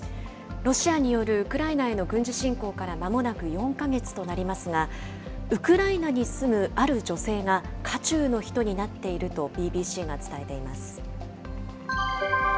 ロシアによるウクライナへの軍事侵攻からまもなく４か月となりますが、ウクライナに住むある女性が、渦中の人になっているとＢＢＣが伝えています。